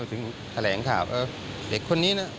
มาถึงแถลงข่าวเออเหล็กคนนี้นะ